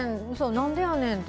なんでやねんって。